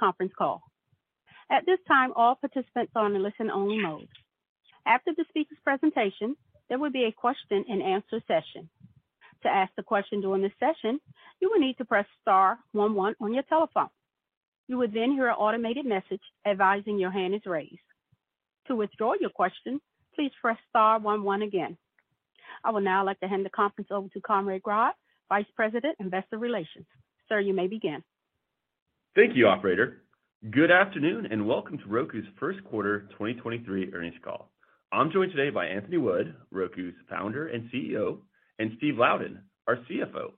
This conference call. At this time, all participants are in listen only mode. After the speaker's presentation, there will be a question and answer session. To ask the question during this session, you will need to press star one one on your telephone. You will then hear an automated message advising your hand is raised. To withdraw your question, please press star one one again. I will now like to hand the conference over to Conrad Grodd, Vice President, Investor Relations. Sir, you may begin. Thank you, operator. Good afternoon, welcome to Roku's First Quarter 2023 Earnings Call. I'm joined today by Anthony Wood, Roku's Founder and CEO, and Steve Louden, our CFO.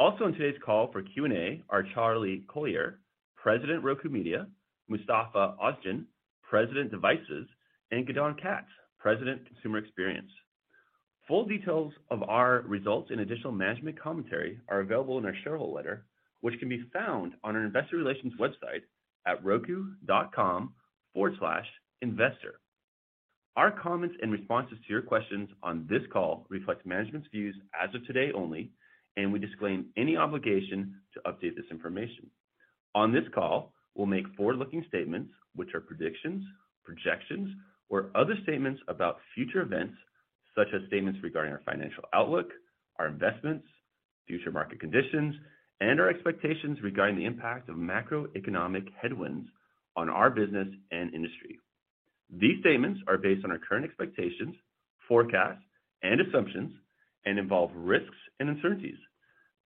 Also in today's call for Q&A are Charlie Collier, President, Roku Media, Mustafa Ozgen, President, Devices, and Gidon Katz, President, Consumer Experience. Full details of our results and additional management commentary are available in our shareholder letter, which can be found on our investor relations website at roku.com/investor. Our comments and responses to your questions on this call reflect management's views as of today only, and we disclaim any obligation to update this information. On this call, we'll make forward-looking statements which are predictions, projections or other statements about future events, such as statements regarding our financial outlook, our investments, future market conditions, and our expectations regarding the impact of macroeconomic headwinds on our business and industry. These statements are based on our current expectations, forecasts and assumptions and involve risks and uncertainties.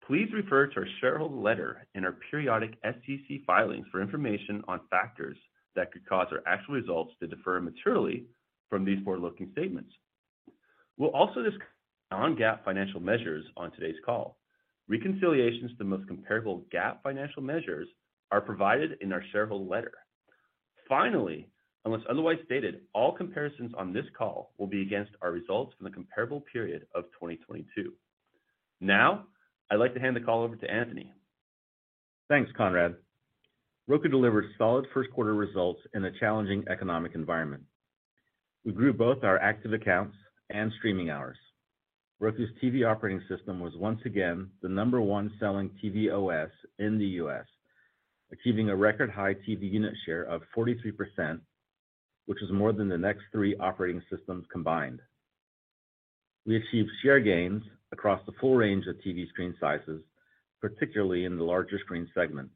Please refer to our shareholder letter and our periodic SEC filings for information on factors that could cause our actual results to differ materially from these forward-looking statements. We'll also discuss non-GAAP financial measures on today's call. Reconciliations to the most comparable GAAP financial measures are provided in our shareholder letter. Finally, unless otherwise stated, all comparisons on this call will be against our results from the comparable period of 2022. I'd like to hand the call over to Anthony. Thanks, Conrad. Roku delivered solid first quarter results in a challenging economic environment. We grew both our active accounts and streaming hours. Roku's TV operating system was once again the number 1 selling TV OS in the U.S., achieving a record high TV unit share of 43%, which is more than the next three operating systems combined. We achieved share gains across the full range of TV screen sizes, particularly in the larger screen segment.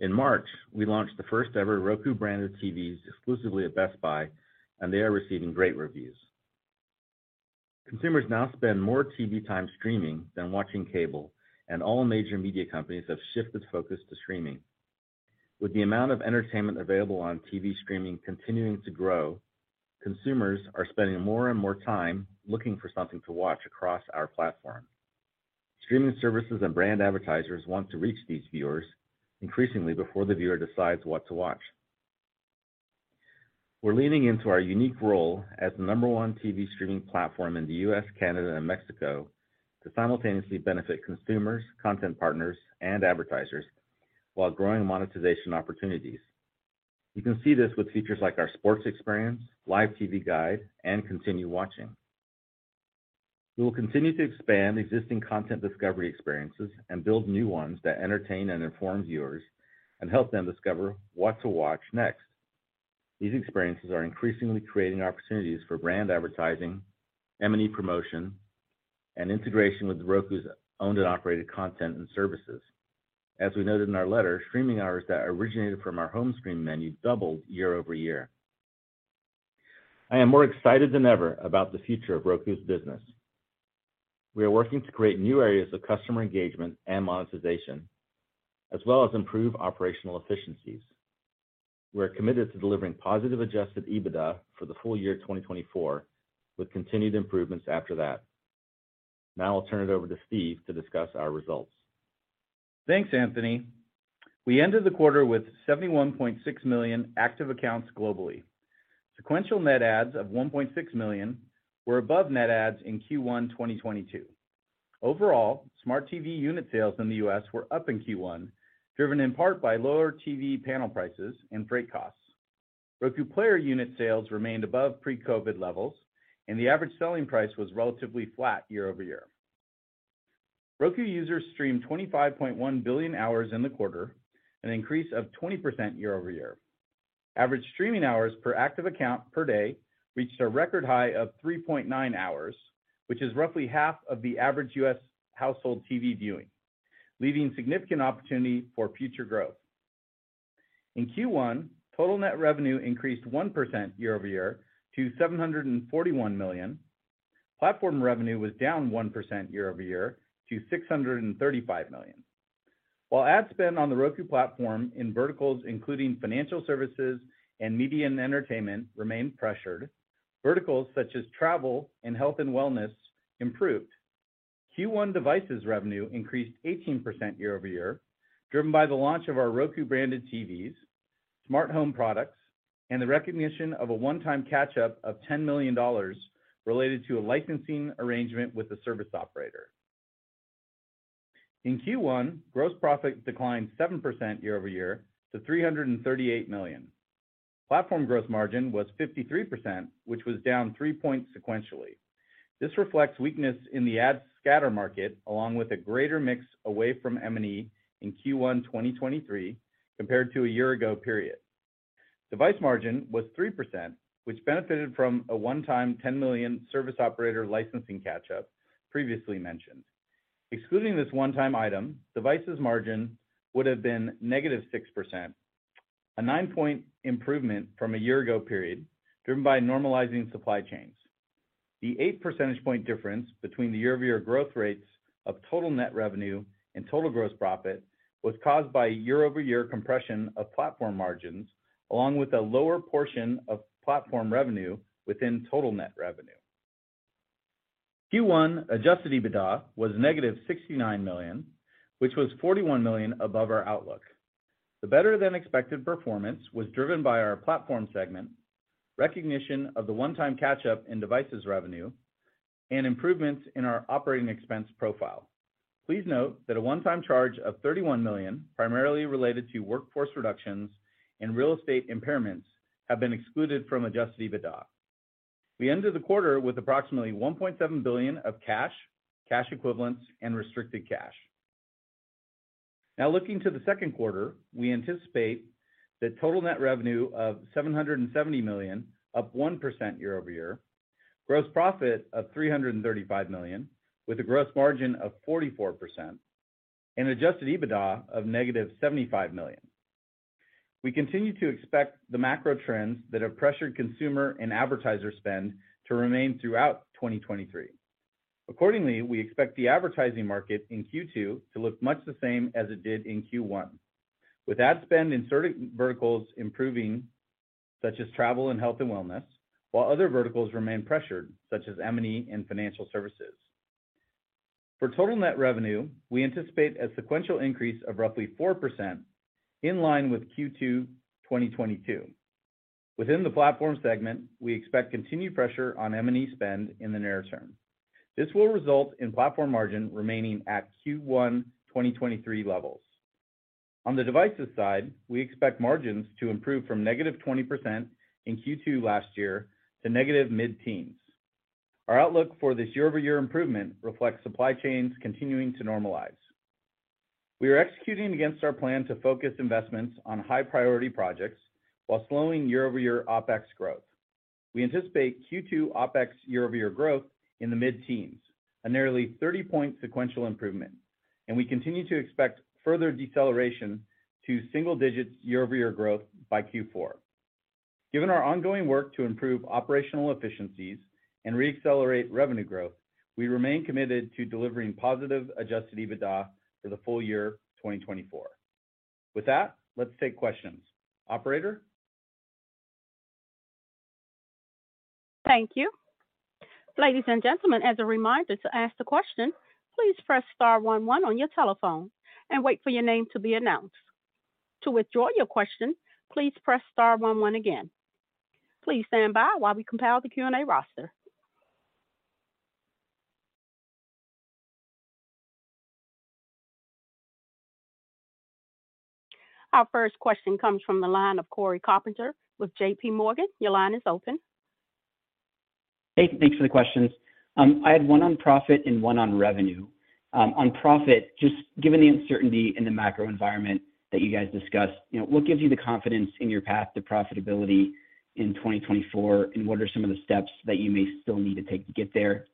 In March, we launched the first ever Roku branded TVs exclusively at Best Buy. They are receiving great reviews. Consumers now spend more TV time streaming than watching cable. All major media companies have shifted focus to streaming. With the amount of entertainment available on TV streaming continuing to grow, consumers are spending more and more time looking for something to watch across our platform. Streaming services and brand advertisers want to reach these viewers, increasingly before the viewer decides What to Watch. We're leaning into our unique role as the number 1 TV streaming platform in the U.S., Canada and Mexico to simultaneously benefit consumers, content partners and advertisers while growing monetization opportunities. You can see this with features like our sports experience, Live TV Guide and Continue Watching. We will continue to expand existing content discovery experiences and build new ones that entertain and inform viewers and help them discover What to Watch next. These experiences are increasingly creating opportunities for brand advertising, M&E promotion and integration with Roku's owned and operated content and services. As we noted in our letter, streaming hours that originated from our home screen menu doubled year-over-year. I am more excited than ever about the future of Roku's business. We are working to create new areas of customer engagement and monetization, as well as improve operational efficiencies. We are committed to delivering positive adjusted EBITDA for the full-year 2024, with continued improvements after that. I'll turn it over to Steve to discuss our results. Thanks, Anthony. We ended the quarter with 71.6 million active accounts globally. Sequential net adds of 1.6 million were above net adds in Q1 2022. Overall, smart TV unit sales in the U.S. were up in Q1, driven in part by lower TV panel prices and freight costs. Roku player unit sales remained above pre-COVID levels, and the average selling price was relatively flat year-over-year. Roku users streamed 25.1 billion hours in the quarter, an increase of 20% year-over-year. Average streaming hours per active account per day reached a record high of 3.9 hours, which is roughly half of the average U.S. household TV viewing, leaving significant opportunity for future growth. In Q1, total net revenue increased 1% year-over-year to $741 million. Platform revenue was down 1% year-over-year to $635 million. While ad spend on the Roku platform in verticals including financial services and media and entertainment remained pressured, verticals such as travel and health and wellness improved. Q1 devices revenue increased 18% year-over-year, driven by the launch of our Roku branded TVs, smart home products, and the recognition of a one-time catch up of $10 million related to a licensing arrangement with the service operator. In Q1, gross profit declined 7% year-over-year to $338 million. Platform gross margin was 53%, which was down three points sequentially. This reflects weakness in the ad scatter market, along with a greater mix away from M&E in Q1 2023 compared to a year ago period. Device margin was 3%, which benefited from a one-time $10 million service operator licensing catch-up previously mentioned. Excluding this one-time item, devices margin would have been negative 6%, a nine-point improvement from a year-ago period, driven by normalizing supply chains. The 8% point difference between the year-over-year growth rates of total net revenue and total gross profit was caused by a year-over-year compression of platform margins, along with a lower portion of platform revenue within total net revenue. Q1 adjusted EBITDA was negative $69 million, which was $41 million above our outlook. The better-than-expected performance was driven by our platform segment, recognition of the one-time catch-up in devices revenue, and improvements in our operating expense profile. Please note that a one-time charge of $31 million, primarily related to workforce reductions and real estate impairments, have been excluded from adjusted EBITDA. We ended the quarter with approximately $1.7 billion of cash equivalents, and restricted cash. Looking to the second quarter, we anticipate the total net revenue of $770 million, up 1% year-over-year, gross profit of $335 million with a gross margin of 44% and adjusted EBITDA of negative $75 million. We continue to expect the macro trends that have pressured consumer and advertiser spend to remain throughout 2023. Accordingly, we expect the advertising market in Q2 to look much the same as it did in Q1, with ad spend in certain verticals improving, such as travel and health and wellness, while other verticals remain pressured, such as M&E and financial services. For total net revenue, we anticipate a sequential increase of roughly 4%, in line with Q2 2022. Within the platform segment, we expect continued pressure on M&E spend in the near term. This will result in platform margin remaining at Q1 2023 levels. On the devices side, we expect margins to improve from negative 20% in Q2 last year to negative mid-teens. Our outlook for this year-over-year improvement reflects supply chains continuing to normalize. We are executing against our plan to focus investments on high-priority projects while slowing year-over-year OpEx growth. We anticipate Q2 OpEx year-over-year growth in the mid-teens, a nearly 30-point sequential improvement, and we continue to expect further deceleration to single-digits year-over-year growth by Q4. Given our ongoing work to improve operational efficiencies and re-accelerate revenue growth, we remain committed to delivering positive adjusted EBITDA for the full-year 2024. With that, let's take questions. Operator? Thank you. Ladies and gentlemen, as a reminder to ask the question, please press star one one on your telephone and wait for your name to be announced. To withdraw your question, please press star one one again. Please stand by while we compile the Q&A roster. Our first question comes from the line of Cory Carpenter with JPMorgan. Your line is open. Hey, thanks for the questions. I had one on profit and one on revenue. On profit, just given the uncertainty in the macro environment that you guys discussed, you know, what gives you the confidence in your path to profitability in 2024? What are some of the steps that you may still need to take to get there?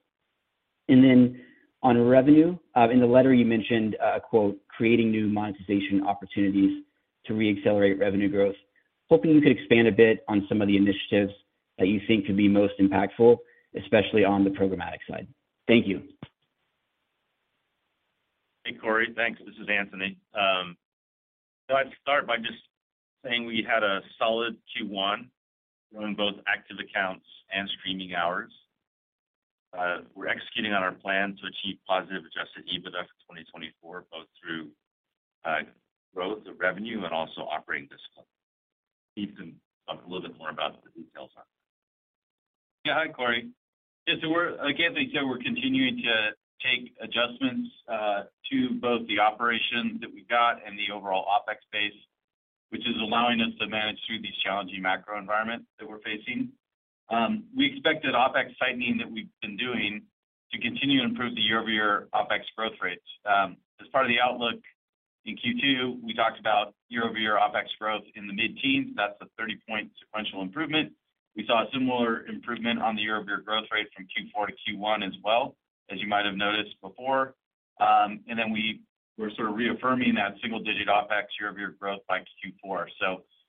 On revenue, in the letter you mentioned, quote, "Creating new monetization opportunities to re-accelerate revenue growth." Hoping you could expand a bit on some of the initiatives that you think could be most impactful, especially on the programmatic side. Thank you. Hey, Cory. Thanks. This is Anthony. I'd start by just saying we had a solid Q1 growing both active accounts and streaming hours. We're executing on our plan to achieve positive adjusted EBITDA for 2024, both through growth of revenue and also operating discipline. Steve can talk a little bit more about the details on that. Hi, Cory. Yes, so we're again, as we said, we're continuing to take adjustments to both the operations that we've got and the overall OpEx base, which is allowing us to manage through these challenging macro environments that we're facing. We expected OpEx tightening that we've been doing to continue to improve the year-over-year OpEx growth rates. As part of the outlook in Q2, we talked about year-over-year OpEx growth in the mid-teens. That's a 30-point sequential improvement. We saw a similar improvement on the year-over-year growth rate from Q4 to Q1 as well, as you might have noticed before. And then we're sort of reaffirming that single-digit OpEx year-over-year growth by Q4.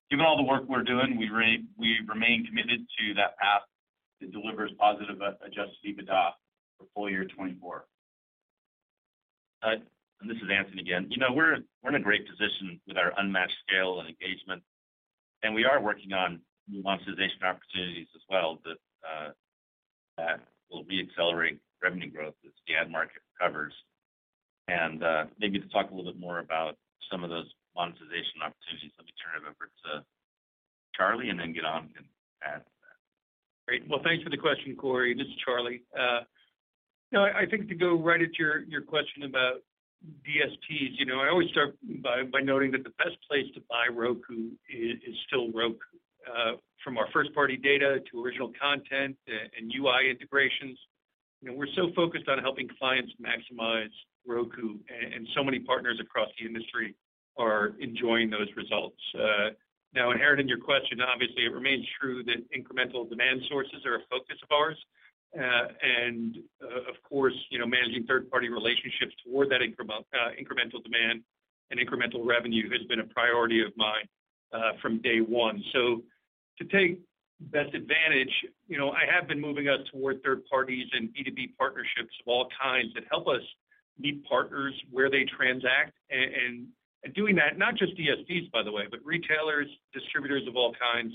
Given all the work we're doing, we remain committed to that path that delivers positive ad-adjusted EBITDA for full-year 2024. This is Anthony again. You know, we're in a great position with our unmatched scale and engagement, and we are working on new monetization opportunities as well that will re-accelerate revenue growth as the ad market recovers. Maybe to talk a little bit more about some of those monetization opportunities, let me turn it over to Charlie and then Gidon to add to that. Great. Well, thanks for the question, Cory. This is Charlie. You know, I think to go right at your question about DSPs, you know, I always start by noting that the best place to buy Roku is still Roku. From our first party data to original content and UI integrations, you know, we're so focused on helping clients maximize Roku and so many partners across the industry are enjoying those results. Now inherent in your question, obviously it remains true that incremental demand sources are a focus of ours. And, of course, you know, managing third party relationships toward that incremental demand and incremental revenue has been a priority of mine from day one. To take best advantage, you know, I have been moving us toward third parties and B2B partnerships of all kinds that help us meet partners where they transact and doing that, not just DSPs, by the way, but retailers, distributors of all kinds.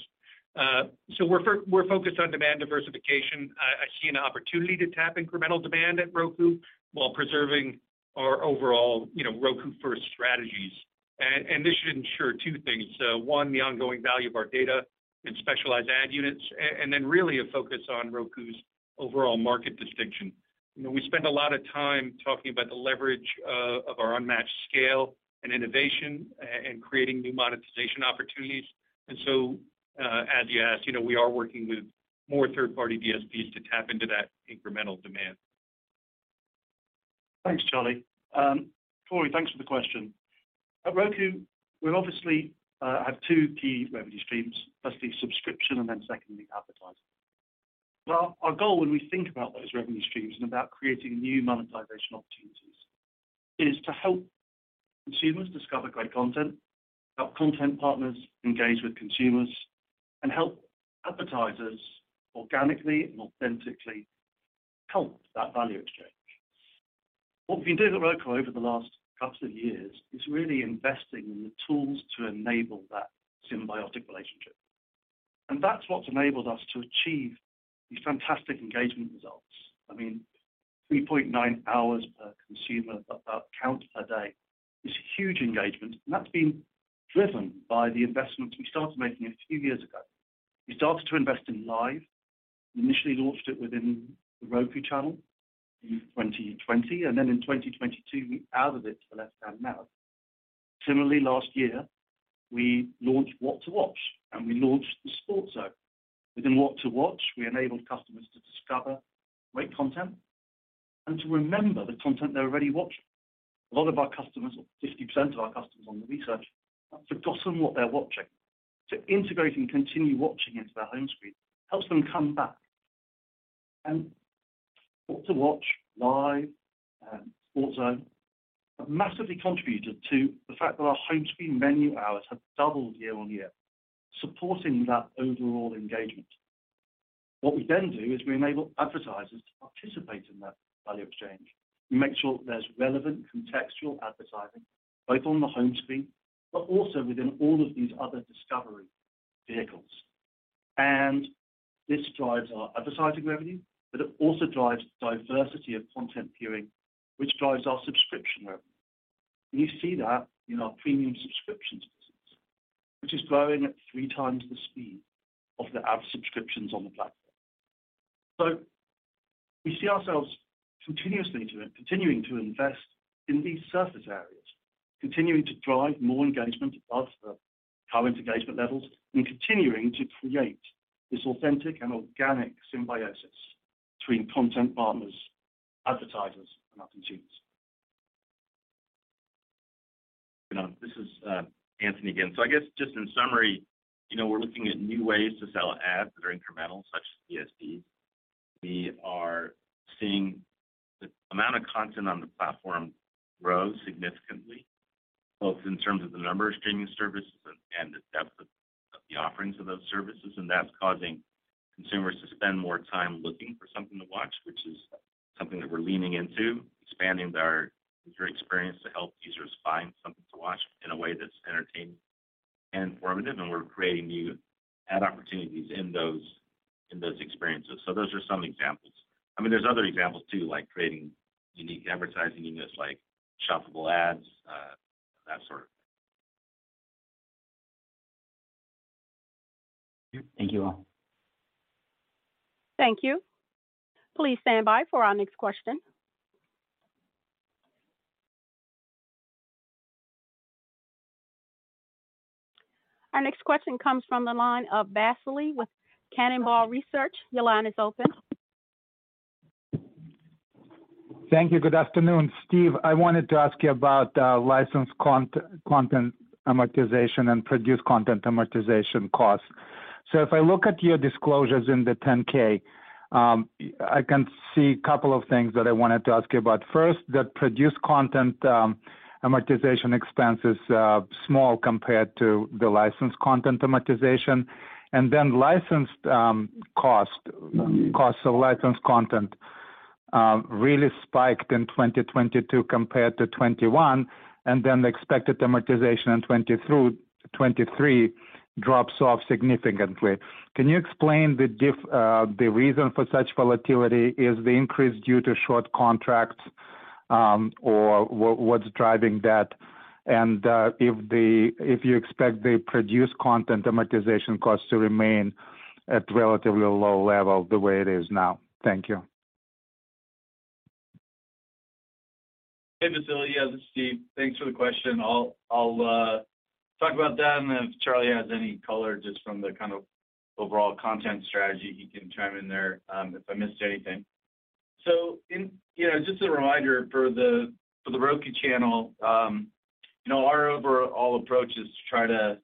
We're focused on demand diversification. I see an opportunity to tap incremental demand at Roku while preserving our overall, you know, Roku first strategies. This should ensure two things. One, the ongoing value of our data and specialized ad units, and then really a focus on Roku's overall market distinction. You know, we spend a lot of time talking about the leverage of our unmatched scale and innovation and creating new monetization opportunities. As you asked, you know, we are working with more third-party DSPs to tap into that incremental demand. Thanks, Charlie. Cory, thanks for the question. At Roku, we obviously have two key revenue streams. That's the subscription, and then secondly, advertising. Our goal when we think about those revenue streams and about creating new monetization opportunities is to help consumers discover great content, help content partners engage with consumers, and help advertisers organically and authentically help that value exchange. What we've been doing at Roku over the last couple of years is really investing in the tools to enable that symbiotic relationship, and that's what's enabled us to achieve these fantastic engagement results. I mean, 3.9 hours per consumer account per day is huge engagement, and that's been driven by the investments we started making a few years ago. We started to invest in Live. We initially launched it within The Roku Channel in 2020, and then in 2022, we added it to the left-hand now. Similarly, last year we launched What to Watch, and we launched the Sports Zone. Within What to Watch, we enabled customers to discover great content and to remember the content they're already watching. A lot of our customers, or 50% of our customers on the research, have forgotten what they're watching. Integrating Continue Watching into their home screen helps them come back. What to Watch, Live, Sports Zone have massively contributed to the fact that our home screen menu hours have doubled year-over-year, supporting that overall engagement. What we then do is we enable advertisers to participate in that value exchange. We make sure that there's relevant contextual advertising both on the home screen, but also within all of these other discovery vehicles. This drives our advertising revenue, but it also drives diversity of content viewing, which drives our subscription revenue. You see that in our premium subscription services, which is growing at 3x the speed of the ad subscriptions on the platform. We see ourselves continuing to invest in these surface areas, continuing to drive more engagement above the current engagement levels, and continuing to create this authentic and organic symbiosis between content partners, advertisers and our consumers. You know, this is Anthony again. I guess just in summary, you know, we're looking at new ways to sell ads that are incremental, such as DSPs. We are seeing the amount of content on the platform grow significantly, both in terms of the number of streaming services and the depth of the offerings of those services. That's causing consumers to spend more time looking for something to watch, which is something that we're leaning into, expanding our user experience to help users find something to watch in a way that's entertaining and formative. We're creating new ad opportunities in those experiences. Those are some examples. I mean, there's other examples too, like creating unique advertising units like shoppable ads, that sort of thing. Thank you all. Thank you. Please stand by for our next question. Our next question comes from the line of Vasily with Cannonball Research. Your line is open. Thank you. Good afternoon. Steve, I wanted to ask you about licensed content amortization and produced content amortization costs. If I look at your disclosures in the 10-K, I can see a couple of things that I wanted to ask you about. First, the produced content amortization expense is small compared to the licensed content amortization. Licensed cost of licensed content really spiked in 2022 compared to 2021, the expected amortization in 2020 through 2023 drops off significantly. Can you explain the reason for such volatility? Is the increase due to short contracts? what's driving that? If you expect the produced content amortization costs to remain at relatively low level the way it is now. Thank you. Hey, Vasily. Yeah, this is Steve. Thanks for the question. I'll talk about that, and then if Charlie has any color just from the kind of overall content strategy, he can chime in there if I missed anything. you know, just a reminder for The Roku Channel, you know, our overall approach is to try to,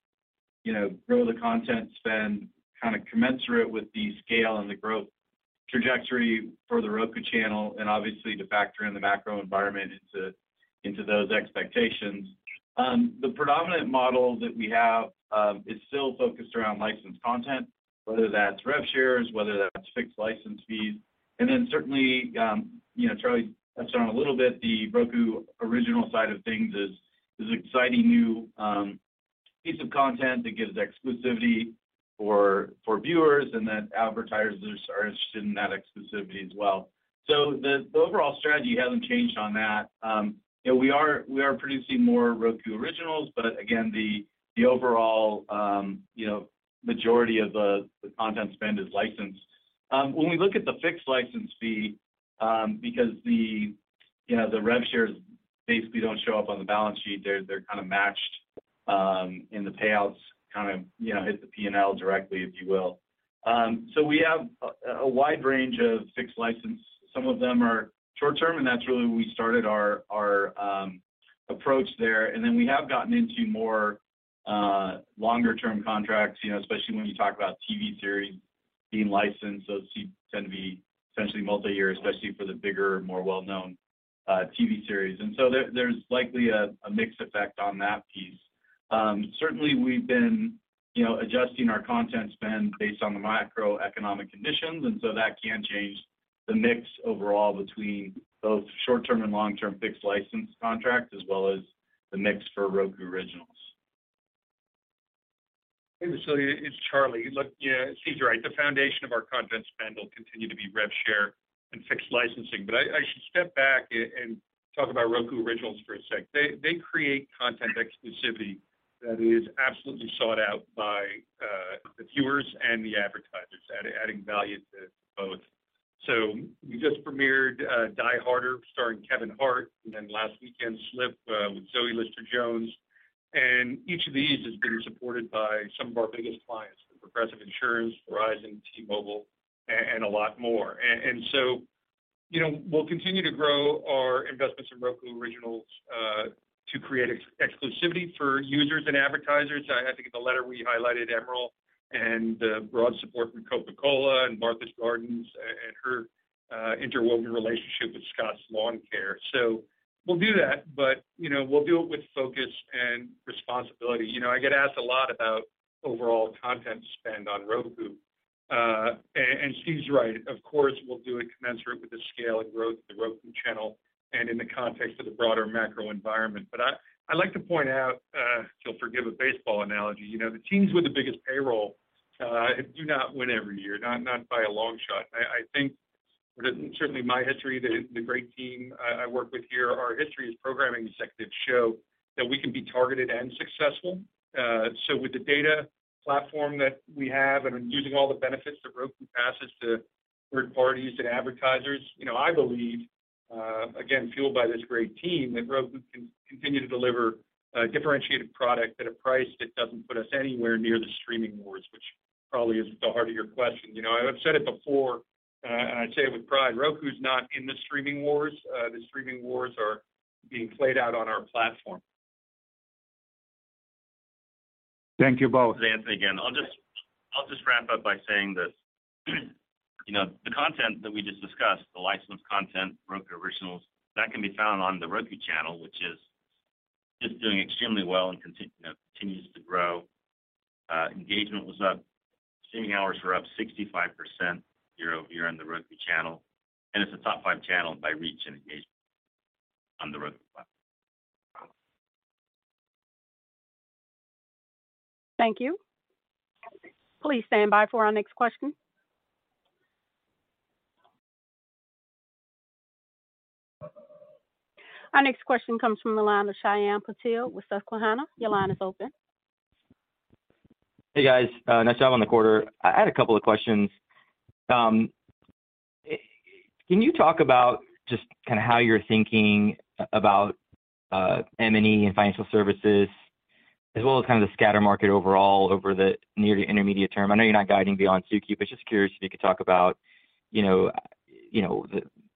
you know, grow the content spend kind of commensurate with the scale and the growth trajectory for The Roku Channel and obviously to factor in the macro environment into those expectations. The predominant model that we have is still focused around licensed content, whether that's rev shares, whether that's fixed license fees. Certainly, you know, Charlie touched on a little bit, the Roku Original side of things is exciting new piece of content that gives exclusivity for viewers and that advertisers are interested in that exclusivity as well. The, the overall strategy hasn't changed on that. You know, we are, we are producing more Roku Originals, but again, the overall, you know, majority of the content spend is licensed. When we look at the fixed license fee, because the, you know, the rev shares basically don't show up on the balance sheet, they're kinda matched, in the payouts, kind of, you know, hit the P&L directly, if you will. We have a wide range of fixed license. Some of them are short-term, and that's really we started our approach there. Then we have gotten into more, longer term contracts, you know, especially when you talk about TV series being licensed. Those tend to be essentially multiyear, especially for the bigger, more well-known, TV series. So there's likely a mix effect on that piece. Certainly we've been, you know, adjusting our content spend based on the macroeconomic conditions, so that can change the mix overall between both short-term and long-term fixed license contracts, as well as the mix for Roku Originals. Hey, Vasily, it's Charlie. Look, yeah, Steve's right. The foundation of our content spend will continue to be rev share and fixed licensing. I should step back and talk about Roku Originals for a sec. They create content exclusivity that is absolutely sought out by the viewers and the advertisers, adding value to both. So, we just premiered Die Hart, starring Kevin Hart, and then last weekend, Slip with Zoe Lister-Jones. Each of these has been supported by some of our biggest clients, from Progressive, Verizon, T-Mobile, and a lot more. You know, we'll continue to grow our investments in Roku Originals to create exclusivity for users and advertisers. I think in the letter we highlighted Emeril and broad support from Coca-Cola and Martha Gardens and her interwoven relationship with Scotts Lawn Care. We'll do that, but, you know, we'll do it with focus and responsibility. You know, I get asked a lot about overall content spend on Roku. And Steve's right. Of course, we'll do it commensurate with the scale and growth of The Roku Channel and in the context of the broader macro environment. I'd like to point out, if you'll forgive a baseball analogy, you know, the teams with the biggest payroll do not win every year, not by a long shot. I think, certainly my history, the great team I work with here, our history as programming executives show that we can be targeted and successful. With the data platform that we have and using all the benefits that Roku passes to third parties and advertisers, you know, I believe, again, fueled by this great team, that Roku can continue to deliver a differentiated product at a price that doesn't put us anywhere near the streaming wars, which probably is at the heart of your question. You know, I've said it before, and I say it with pride, Roku is not in the streaming wars. The streaming wars are being played out on our platform. Thank you both. It's Anthony again. I'll just wrap up by saying this. You know, the content that we just discussed, the licensed content, Roku Originals, that can be found on The Roku Channel, which is just doing extremely well and you know, continues to grow. Engagement was up. Streaming hours were up 65% year-over-year on The Roku Channel, it's a top five channel by reach and engagement on the Roku platform. Thank you. Please stand by for our next question. Our next question comes from the line of Shyam Patil with Susquehanna. Your line is open. Hey, guys. Nice job on the quarter. I had a couple of questions. Can you talk about just kinda how you're thinking about M&E and financial services as well as kind of the scatter market overall over the near to intermediate term? I know you're not guiding beyond Q2, just curious if you could talk about, you know,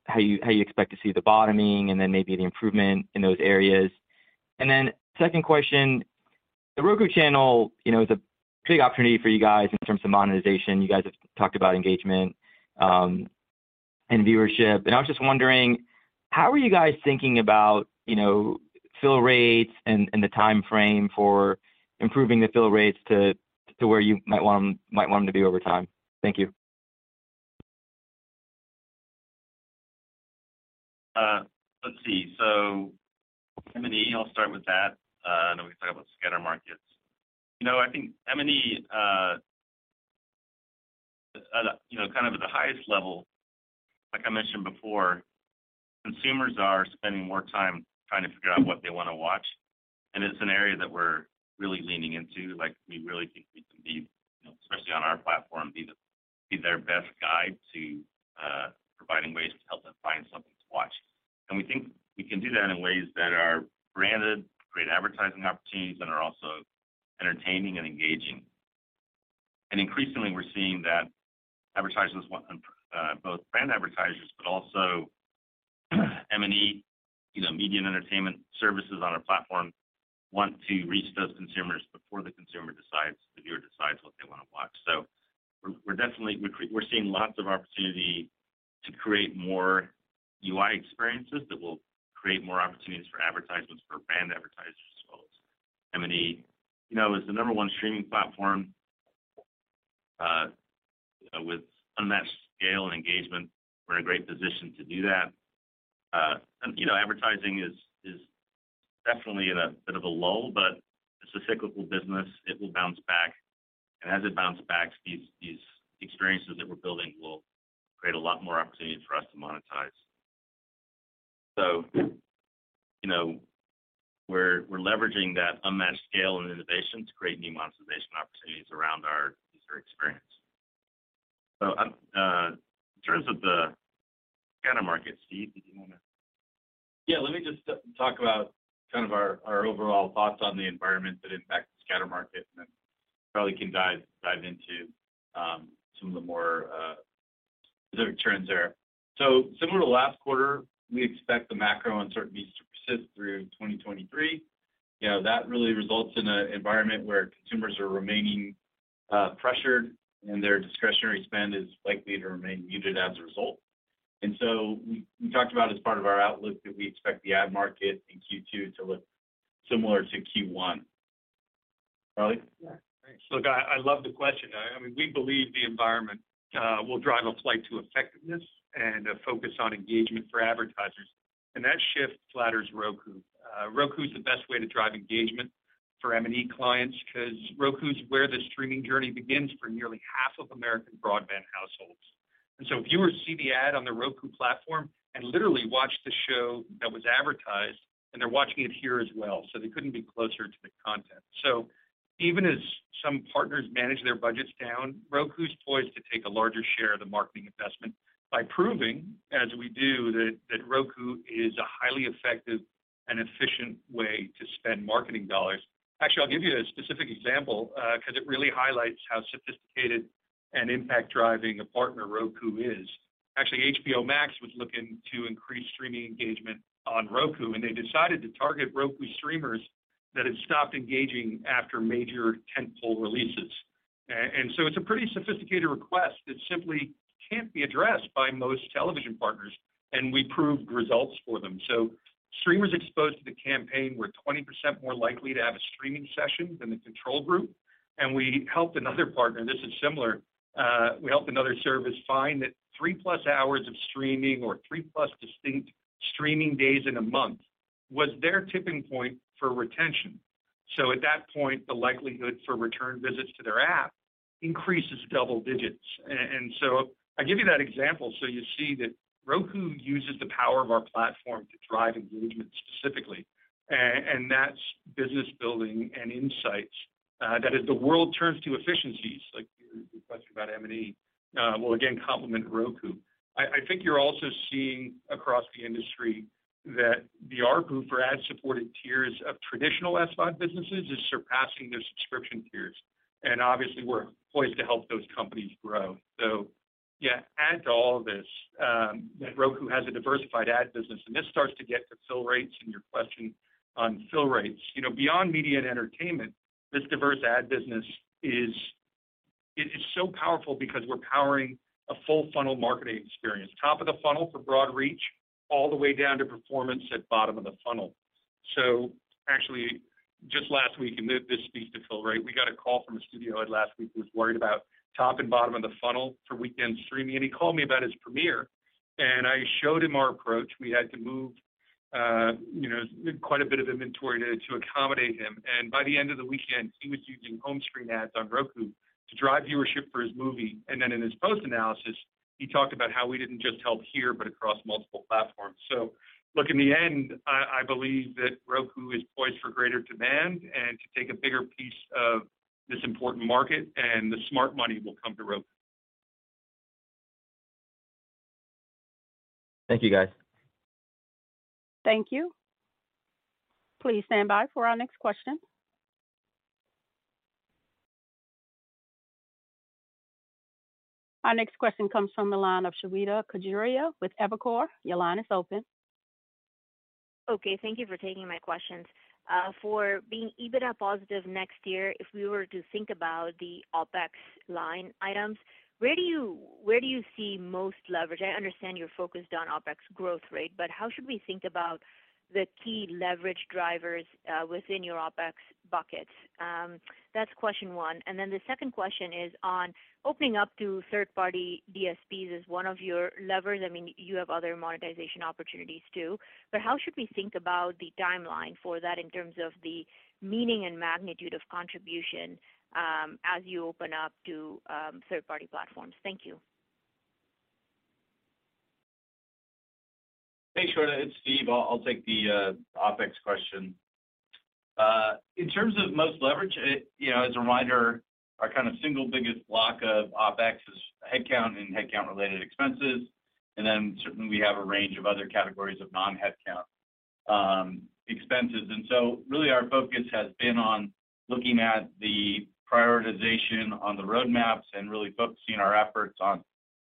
how you expect to see the bottoming and then maybe the improvement in those areas. Second question, The Roku Channel, you know, is a big opportunity for you guys in terms of monetization. You guys have talked about engagement and viewership, I was just wondering, how are you guys thinking about, you know, fill rates and the timeframe for improving the fill rates to where you might want 'em to be over time? Thank you. Let's see. M&E, I'll start with that. You know, I think M&E, you know, kind of at the highest level, like I mentioned before, consumers are spending more time trying to figure out what they wanna watch. It's an area that we're really leaning into. Like, we really think we can be, you know, especially on our platform, be their best guide to providing ways to help them find something to watch. We think we can do that in ways that are branded, create advertising opportunities, and are also entertaining and engaging. Increasingly, we're seeing that advertisers want both brand advertisers, but also M&E, you know, media and entertainment services on our platform want to reach those consumers before the consumer decides, the viewer decides what they wanna watch. We're definitely, we're seeing lots of opportunity to create more UI experiences that will create more opportunities for advertisements, for brand advertisers as well as M&E. You know, as the number one streaming platform, with unmatched scale and engagement, we're in a great position to do that. You know, advertising is definitely at a bit of a lull, but it's a cyclical business. It will bounce back. As it bounces back, these experiences that we're building will create a lot more opportunities for us to monetize. You know, we're leveraging that unmatched scale and innovation to create new monetization opportunities around our user experience. In terms of the scatter market, Steve, Yeah, let me just talk about kind of our overall thoughts on the environment that impacts the scatter market, and then Charlie can dive into some of the more specific trends there. Similar to last quarter, we expect the macro uncertainties to persist through 2023. That really results in an environment where consumers are remaining pressured, and their discretionary spend is likely to remain muted as a result. We talked about as part of our outlook that we expect the ad market in Q2 to look similar to Q1. Charlie? Yeah. Thanks. Look, I love the question. I mean, we believe the environment will drive a flight to effectiveness and a focus on engagement for advertisers. That shift flatters Roku. Roku is the best way to drive engagement for M&E clients 'cause Roku's where the streaming journey begins for nearly half of American broadband households. Viewers see the ad on the Roku platform and literally watch the show that was advertised, and they're watching it here as well, so they couldn't be closer to the content. Even as some partners manage their budgets down, Roku's poised to take a larger share of the marketing investment by proving, as we do, that Roku is a highly effective and efficient way to spend marketing dollars. I'll give you a specific example, 'cause it really highlights how sophisticated and impact-driving a partner Roku is. HBO Max was looking to increase streaming engagement on Roku, and they decided to target Roku streamers that had stopped engaging after major tentpole releases. It's a pretty sophisticated request that simply can't be addressed by most television partners, and we proved results for them. Streamers exposed to the campaign were 20% more likely to have a streaming session than the control group, and we helped another partner, this is similar, we helped another service find that three-plus hours of streaming or three-plus distinct streaming days in a month was their tipping point for retention. At that point, the likelihood for return visits to their app increases double-digits. I give you that example, so you see that Roku uses the power of our platform to drive engagement specifically, that's business building and insights, that as the world turns to efficiencies, like your question about M&E, will again complement Roku. I think you're also seeing across the industry that the ARPU for ad-supported tiers of traditional SVOD businesses is surpassing their subscription tiers. Obviously, we're poised to help those companies grow. Add to all this, that Roku has a diversified ad business, and this starts to get to fill rates and your question on fill rates. You know, beyond media and entertainment, this diverse ad business It is so powerful because we're powering a full funnel marketing experience, top of the funnel for broad reach, all the way down to performance at bottom of the funnel. Actually, just last week, and this speaks to fill rate, we got a call from a studio head last week who was worried about top and bottom of the funnel for weekend streaming, and he called me about his premiere, and I showed him our approach. We had to move, you know, quite a bit of inventory to accommodate him, and by the end of the weekend, he was using home screen ads on Roku to drive viewership for his movie. In his post-analysis, he talked about how we didn't just help here but across multiple platforms. Look, in the end, I believe that Roku is poised for greater demand and to take a bigger piece of this important market, and the smart money will come to Roku. Thank you, guys. Thank you. Please stand by for our next question. Our next question comes from the line of Shweta Khajuria with Evercore. Your line is open. Okay. Thank you for taking my questions. For being EBITDA positive next year, if we were to think about the OpEx line items, where do you see most leverage? I understand you're focused on OpEx growth rate, but how should we think about the key leverage drivers within your OpEx buckets? That's question one. The second question is on opening up to third-party DSPs as one of your levers. I mean, you have other monetization opportunities too, but how should we think about the timeline for that in terms of the meaning and magnitude of contribution, as you open up to third-party platforms? Thank you. Hey, Shweta, it's Steve. I'll take the OpEx question. In terms of most leverage, you know, as a reminder, our kind of single biggest block of OpEx is headcount and headcount related expenses. Certainly we have a range of other categories of non-headcount expenses. Really our focus has been on looking at the prioritization on the roadmaps and really focusing our efforts on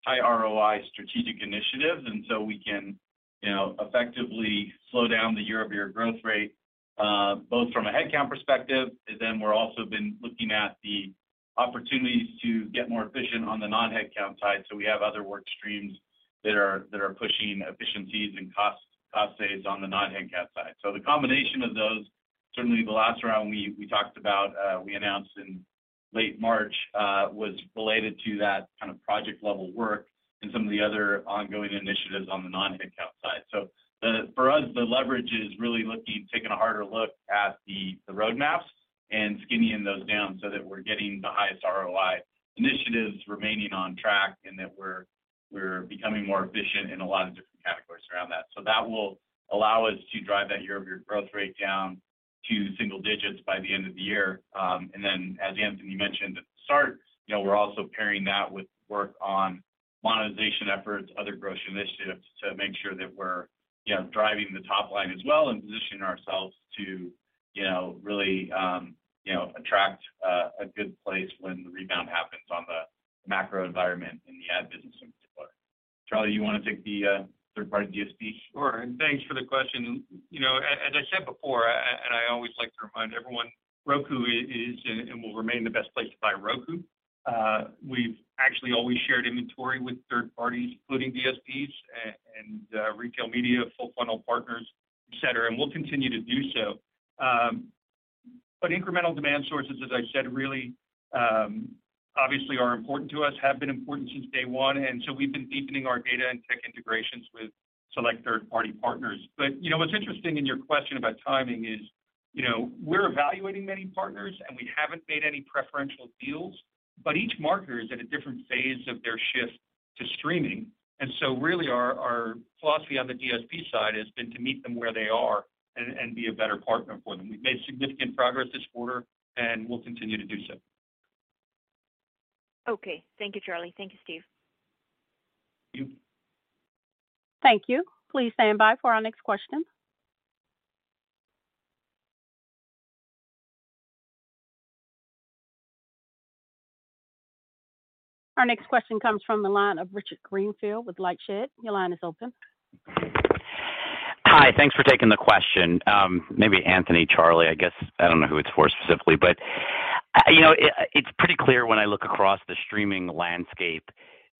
high ROI strategic initiatives. We can, you know, effectively slow down the year-over-year growth rate both from a headcount perspective. Then we're also been looking at the opportunities to get more efficient on the non-headcount side. We have other work streams that are pushing efficiencies and cost saves on the non-headcount side. The combination of those, certainly the last round we talked about, we announced in late March, was related to that kind of project level work and some of the other ongoing initiatives on the non-headcount side. For us, the leverage is really looking, taking a harder look at the roadmaps and skinnying those down so that we're getting the highest ROI initiatives remaining on track, and that we're becoming more efficient in a lot of different categories around that. That will allow us to drive that year-over-year growth rate down to single-digits by the end of the year. As Anthony mentioned at the start, you know, we're also pairing that with work on monetization efforts, other growth initiatives to make sure that we're, you know, driving the top line as well and positioning ourselves to, you know, really, you know, attract a good place when the rebound happens on the macro environment in the ad business in particular. Charlie, you want to take the third party DSP? Sure. Thanks for the question. You know, as I said before, and I always like to remind everyone, Roku is and will remain the best place to buy Roku. We've actually always shared inventory with third parties, including DSPs and retail media, full funnel partners, et cetera, and we'll continue to do so. Incremental demand sources, as I said, really, obviously are important to us, have been important since day one. So we've been deepening our data and tech integrations with select third-party partners. You know, what's interesting in your question about timing is, you know, we're evaluating many partners, and we haven't made any preferential deals, but each marketer is at a different phase of their shift to streaming. Really our philosophy on the DSP side has been to meet them where they are and be a better partner for them. We've made significant progress this quarter, and we'll continue to do so. Okay. Thank you, Charlie. Thank you, Steve. Thank you. Thank you. Please stand by for our next question. Our next question comes from the line of Richard Greenfield with LightShed. Your line is open. Hi. Thanks for taking the question. Maybe Anthony, Charlie, I guess I don't know who it's for specifically, but, you know, it's pretty clear when I look across the streaming landscape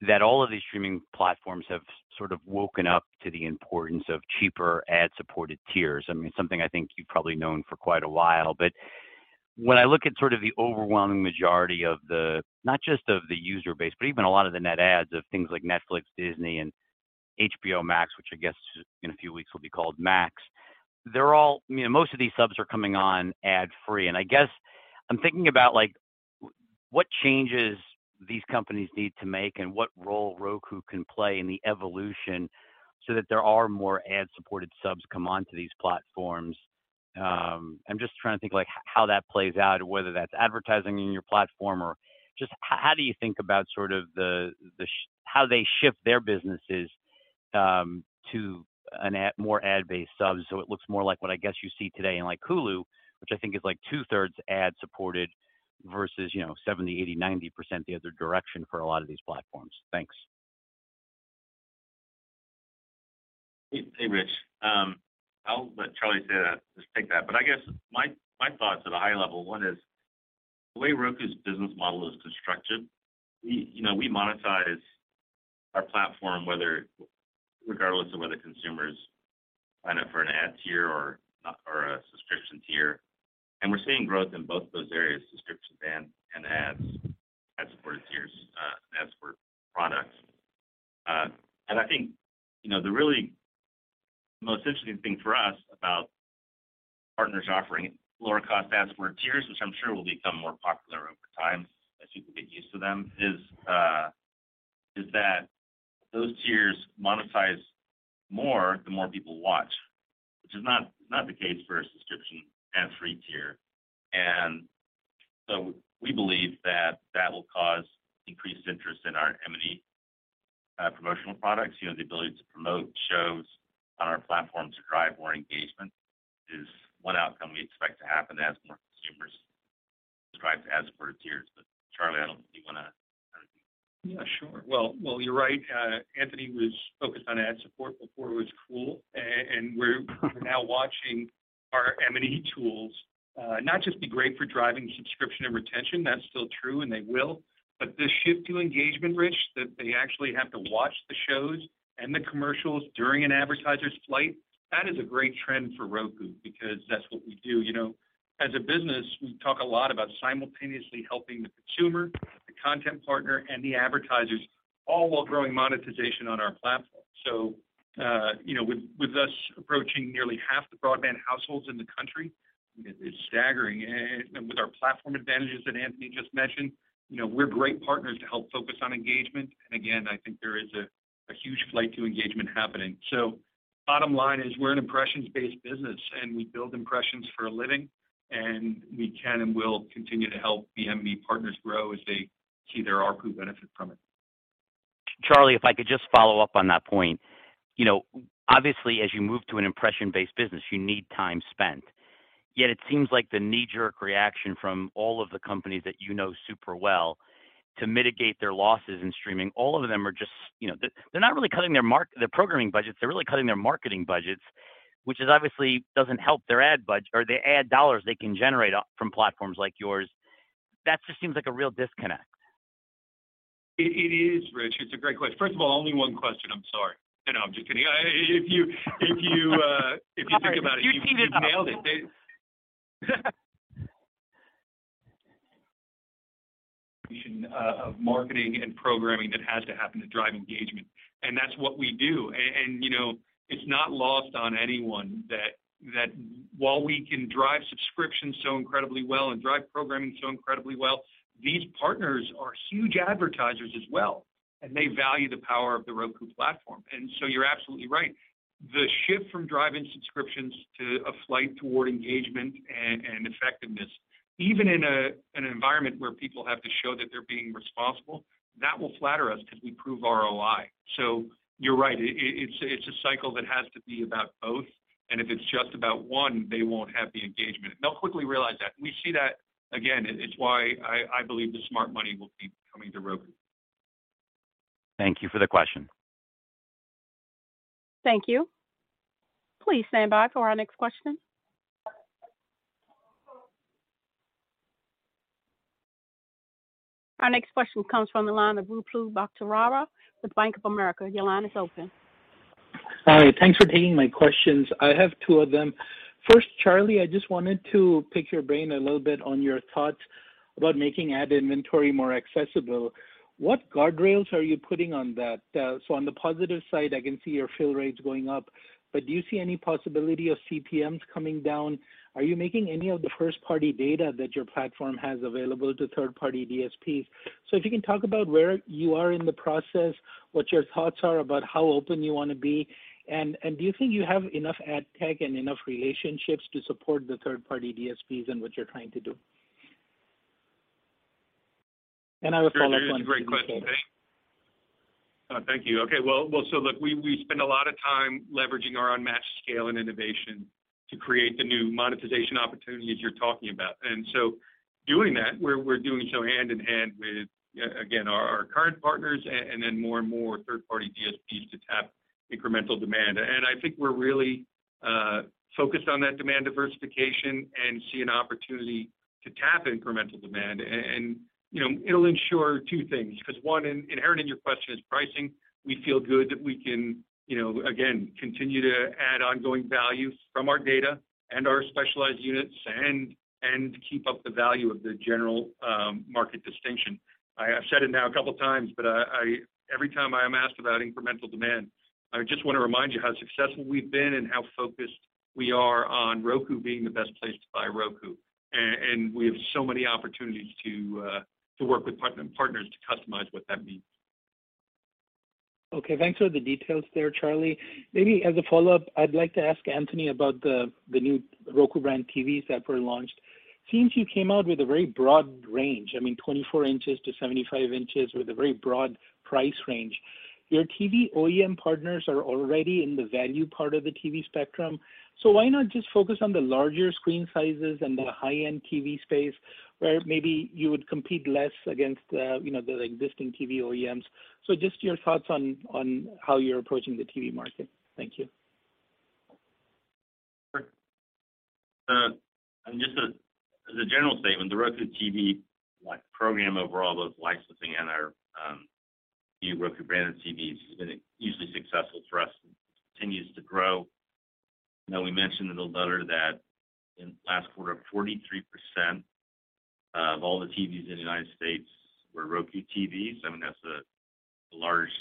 that all of these streaming platforms have sort of woken up to the importance of cheaper ad-supported tiers. I mean, something I think you've probably known for quite a while. When I look at sort of the overwhelming majority of the, not just of the user base, but even a lot of the net ads of things like Netflix, Disney, and HBO Max, which I guess in a few weeks will be called Max, you know, most of these subs are coming on ad-free. I guess I'm thinking about, like, what changes these companies need to make and what role Roku can play in the evolution so that there are more ad-supported subs come onto these platforms. I'm just trying to think, like, how that plays out, whether that's advertising in your platform or just how do you think about sort of the shift their businesses to a more ad-based sub so it looks more like what I guess you see today in, like, Hulu, which I think is, like, two-thirds ad-supported versus, you know, 70%, 80%, 90% the other direction for a lot of these platforms. Thanks. Hey, Rich. I'll let Charlie just take that. But I guess my thoughts at a high level, one is, way Roku's business model is constructed, we, you know, we monetize our platform regardless of whether consumers sign up for an ad tier or not, or a subscription tier. We're seeing growth in both those areas, subscriptions and ads, ad-supported tiers, and ad-supported products. I think, you know, the really most interesting thing for us about partners offering lower cost ad-supported tiers, which I'm sure will become more popular over time as people get used to them, is that those tiers monetize more the more people watch. Which is not the case for a subscription ad-free tier. We believe that that will cause increased interest in our M&E promotional products. You know, the ability to promote shows on our platform to drive more engagement is one outcome we expect to happen as more consumers subscribe to ad-supported tiers. Charlie, I don't know if you wanna kinda repeat? Yeah, sure. Well, you're right. Anthony was focused on ad support before it was cool. We're now watching our M&E tools not just be great for driving subscription and retention, that's still true, and they will, but the shift to engagement, Rich, that they actually have to watch the shows and the commercials during an advertiser's flight, that is a great trend for Roku because that's what we do. You know, as a business, we talk a lot about simultaneously helping the consumer, the content partner, and the advertisers, all while growing monetization on our platform. You know, with us approaching nearly half the broadband households in the country-Is staggering. With our platform advantages that Anthony just mentioned, you know, we're great partners to help focus on engagement. Again, I think there is a huge flight to engagement happening. Bottom line is we're an impressions-based business, and we build impressions for a living, and we can and will continue to help the MV partners grow as they see their Roku benefit from it. Charlie, if I could just follow up on that point. You know, obviously, as you move to an impression-based business, you need time spent. It seems like the knee-jerk reaction from all of the companies that you know super well to mitigate their losses in streaming, all of them are just, you know. They're not really cutting their programming budgets, they're really cutting their marketing budgets, which is obviously doesn't help their ad dollars they can generate from platforms like yours. That just seems like a real disconnect. It is, Rich. It's a great question. First of all, only one question. I'm sorry. No, I'm just kidding. If you think about it. I'm sorry. You teed it up. You nailed it. Of marketing and programming that has to happen to drive engagement, that's what we do. You know, it's not lost on anyone that while we can drive subscriptions so incredibly well and drive programming so incredibly well, these partners are huge advertisers as well, they value the power of the Roku platform. You're absolutely right. The shift from driving subscriptions to a flight toward engagement and effectiveness, even in a, an environment where people have to show that they're being responsible, that will flatter us 'cause we prove ROI. You're right. It's a cycle that has to be about both. If it's just about one, they won't have the engagement, and they'll quickly realize that. We see that, again, it's why I believe the smart money will keep coming to Roku. Thank you for the question. Thank you. Please stand by for our next question. Our next question comes from the line of Ruplu Bhattacharya with Bank of America. Your line is open. Hi. Thanks for taking my questions. I have two of them. First, Charlie, I just wanted to pick your brain a little bit on your thoughts about making ad inventory more accessible. What guardrails are you putting on that? On the positive side, I can see your fill rates going up. Do you see any possibility of CPMs coming down? Are you making any of the first-party data that your platform has available to third-party DSPs? If you can talk about where you are in the process, what your thoughts are about how open you wanna be. Do you think you have enough ad tech and enough relationships to support the third-party DSPs in what you're trying to do? I will follow up on- That's a great question. Thank you. Okay. Well, so look, we spend a lot of time leveraging our unmatched scale and innovation to create the new monetization opportunities you're talking about. So doing that, we're doing so hand in hand with, again, our current partners and then more and more third-party DSPs to tap incremental demand. I think we're really focused on that demand diversification and see an opportunity to tap incremental demand. You know, it'll ensure two things, 'cause one inherent in your question is pricing. We feel good that we can, you know, again, continue to add ongoing value from our data and our specialized units and keep up the value of the general market distinction. I've said it now a couple times, but I...Every time I am asked about incremental demand, I just wanna remind you how successful we've been and how focused we are on Roku being the best place to buy Roku. We have so many opportunities to work with partners to customize what that means. Okay. Thanks for the details there, Charlie. Maybe as a follow-up, I'd like to ask Anthony about the new Roku brand TVs that were launched. Seems you came out with a very broad range, I mean, 24 inches to 75 inches with a very broad price range. Your TV OEM partners are already in the value part of the TV spectrum, why not just focus on the larger screen sizes and the high-end TV space where maybe you would compete less against, you know, the existing TV OEMs? Just your thoughts on how you're approaching the TV market. Thank you. Sure. Just as a general statement, the Roku TV program overall, both licensing and our new Roku branded TVs has been hugely successful for us and continues to grow. You know, we mentioned in the letter that in the last quarter, 43% of all the TVs in the U.S. were Roku TVs. I mean, that's a large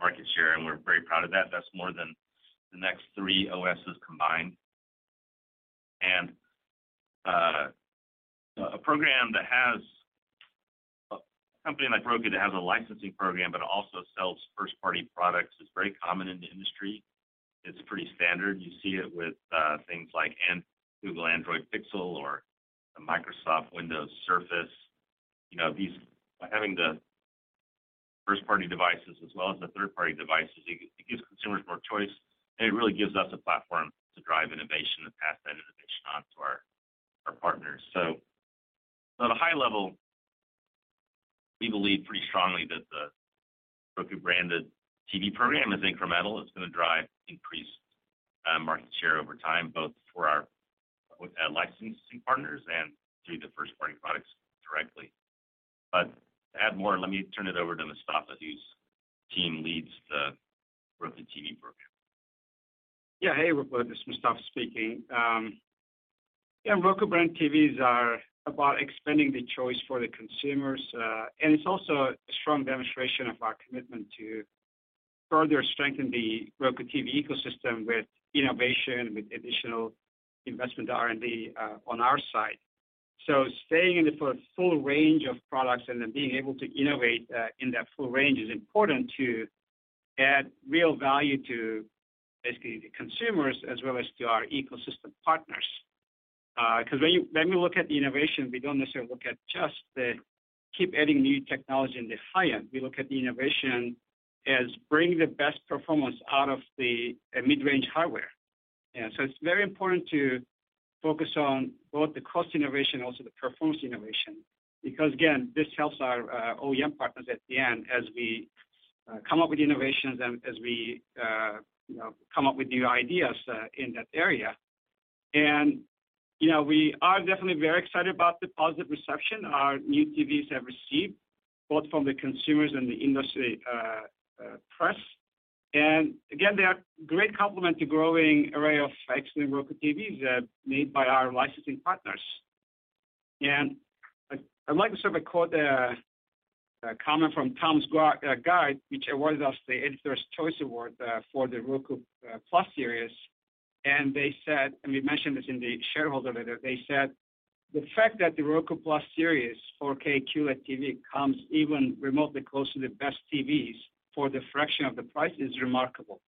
market share, and we're very proud of that. That's more than the next three OSs combined. A company like Roku that has a licensing program but also sells first-party products is very common in the industry. It's pretty standard. You see it with things like Google Android Pixel or the Microsoft Windows Surface. You know, by having the first-party devices as well as the third-party devices, it gives consumers more choice, and it really gives us a platform to drive innovation and pass that innovation on to our partners. At a high level, we believe pretty strongly that the Roku branded TV program is incremental. It's gonna drive increased market share over time, both for our licensing partners and through the first-party products directly. To add more, let me turn it over to Mustafa, whose team leads the Roku TV program. Yeah. Hey, Ruplu. This is Mustafa speaking. Roku brand TVs are about expanding the choice for the consumers, and it's also a strong demonstration of our commitment to further strengthen the Roku TV ecosystem with innovation, with additional investment to R&D on our side. Staying in the full range of products and then being able to innovate in that full range is important to add real value to basically the consumers as well as to our ecosystem partners. When you, when we look at the innovation, we don't necessarily look at just the keep adding new technology in the high end. We look at the innovation as bringing the best performance out of the mid-range hardware. It's very important to focus on both the cost innovation, also the performance innovation, because again, this helps our OEM partners at the end as we come up with innovations and as we, you know, come up with new ideas in that area. You know, we are definitely very excited about the positive reception our new TVs have received, both from the consumers and the industry press. Again, they are great complement to growing array of excellent Roku TVs made by our licensing partners. I'd like to sort of quote a comment from Tom's Guide, which awarded us the Editors' Choice Award for the Roku Plus Series. They said, and we mentioned this in the shareholder letter, they said, "The fact that the Roku Plus Series 4K QLED TV comes even remotely close to the best TVs for the fraction of the price is remarkable."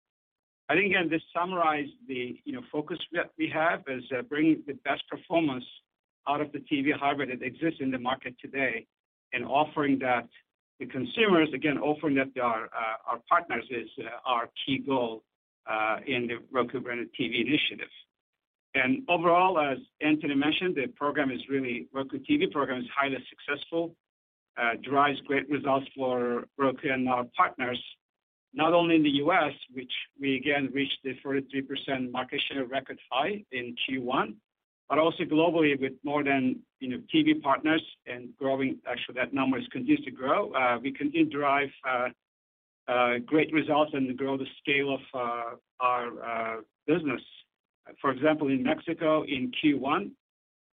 I think, again, this summarize the, you know, focus that we have is, bringing the best performance out of the TV hardware that exists in the market today and offering that to consumers, again, offering that to our partners is our key goal in the Roku-branded TV initiatives. Overall, as Anthony mentioned, the Roku TV program is highly successful, drives great results for Roku and our partners, not only in the US, which we again reached the 33% market share, record high in Q1, but also globally with more than, you know, TV partners and growing. Actually, that numbers continue to grow. We continue to drive great results and grow the scale of our business. For example, in Mexico, in Q1,